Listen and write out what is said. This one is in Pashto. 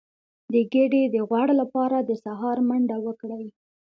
د ګیډې د غوړ لپاره د سهار منډه وکړئ